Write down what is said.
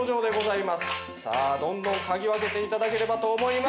さあどんどん嗅ぎ分けていただければと思います。